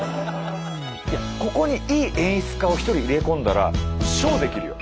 ここにいい演出家を一人入れ込んだらショーできるよ。